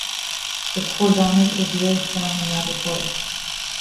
The "cordonnet" was very strong and rather coarse.